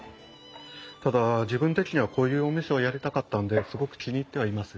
ただ自分的にはこういうお店をやりたかったんですごく気に入ってはいます。